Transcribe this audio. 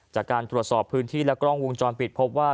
จากการตรวจสอบพื้นที่และกล้องวงจรปิดพบว่า